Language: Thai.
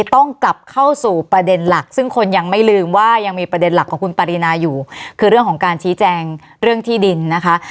ต้องกลับเข้าสู่ประเด็นหลักซึ่งคนยังไม่ลืมว่ายังมีประเด็นหลักของคุณปรินาอยู่คือเรื่องของการชี้แจงเรื่องที่ดินนะคะ